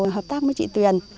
hợp tác với chị tuyền